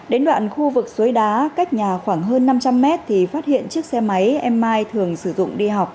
đến đoạn khu vực suối đá cách nhà khoảng hơn năm trăm linh mét thì phát hiện chiếc xe máy em mai thường sử dụng đi học